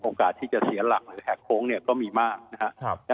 โอกาสที่จะเสียหลักหรือแหกโค้งเนี่ยก็มีมากนะครับครับ